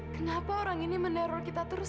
kenapa orang ini meneror kita terus